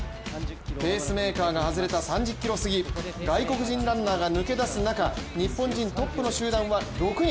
ペースメーカーが外れた３０ｋｍ過ぎ、外国人ランナーが抜け出す中、日本人トップの集団は６人。